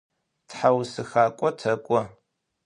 ТхьаусхакӀо тэкӀо.